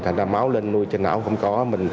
thành ra máu lên nuôi trên não không có